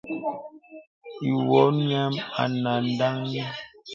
Ìwɔ̀ŋ nyìəŋə̀ ànə ndaŋaŋ.